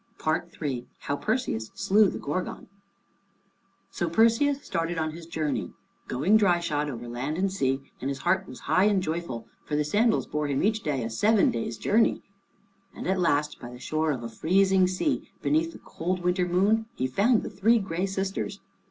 III HOW PERSEUS SLEW THE GORGON So Perseus started on his journey, going dryshod over land and sea, and his heart was high and joyful, for the sandals bore him each day a seven days' journey. And at last by the shore of a freezing sea, beneath the cold winter moon, he found the Three Gray Sisters.